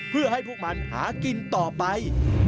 เพื่อให้พวกมันหากินต่อไป